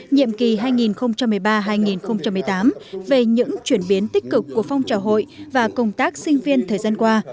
nhiệm kỳ hai nghìn một mươi ba hai nghìn một mươi tám về những chuyển biến tích cực của phong trào hội và công tác sinh viên thời gian qua